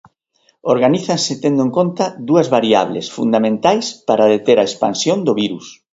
Organízanse tendo en conta dúas variables, fundamentais para deter a expansión do virus.